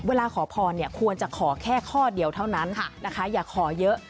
ขอพรควรจะขอแค่ข้อเดียวเท่านั้นนะคะอย่าขอเยอะ